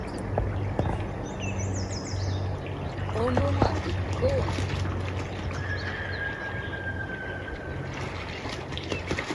uumuŋa ikkuuŋ